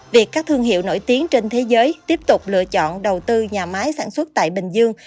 việc các thương hiệu nổi tiếng trên thế giới tiếp tục lựa chọn đầu tư nhà máy sản xuất tại bình dương